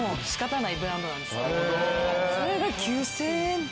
それが９０００円台。